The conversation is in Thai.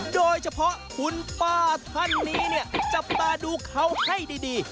โดยเฉพาะคุณป้าท่านนี้เนี่ยจับตาดูเขาให้ดี